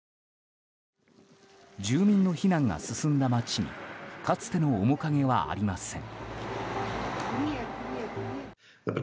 住民の避難が進んだ街にかつての面影はありません。